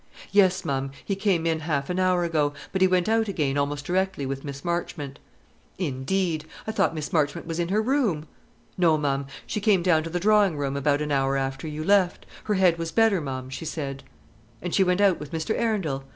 "Yes, ma'am, he came in half an hour ago; but he went out again almost directly with Miss Marchmont." "Indeed! I thought Miss Marchmont was in her room?" "No, ma'am; she came down to the drawing room about an hour after you left. Her head was better, ma'am, she said." "And she went out with Mr. Arundel?